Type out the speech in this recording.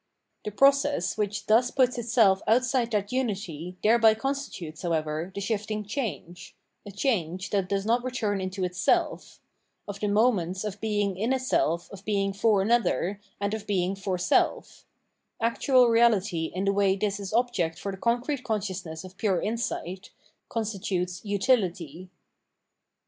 The process, which thus puts itself outside that unity thereby constitutes, however, the shifting change — a change that does not return into itself — of the moments of being in itself, of being for another, and of being for self — actual reality in the way this is object for the concrete consciousness of pure insight — constitutes Utility.